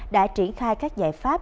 đã triển khai các giải pháp